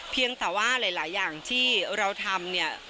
เพียงแต่ว่าหลายอย่างที่เราทำเนี่ย